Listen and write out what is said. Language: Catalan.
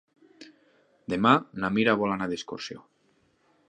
Demà na Mira vol anar d'excursió.